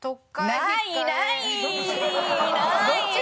ないない！！